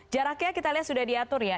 jaraknya kita lihat sudah diatur ya